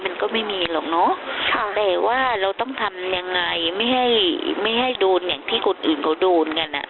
มันก็ไม่มีหรอกเนอะค่ะแต่ว่าเราต้องทำยังไงไม่ให้ไม่ให้โดนอย่างที่คนอื่นเขาโดนกันอ่ะ